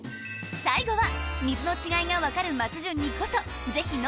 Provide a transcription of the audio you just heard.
最後は水の違いが分かる松潤にこそぜひ何？